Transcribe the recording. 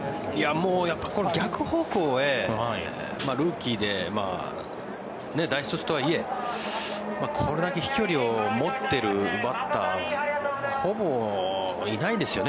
この逆方向へルーキーで大卒とはいえこれだけ飛距離を持ってるバッターはほぼいないですよね。